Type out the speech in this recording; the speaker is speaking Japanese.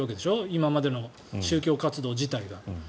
今までの宗教活動自体が。